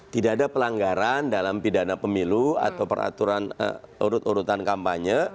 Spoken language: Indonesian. tidak ada pelanggaran dalam pidana pemilu atau peraturan urut urutan kampanye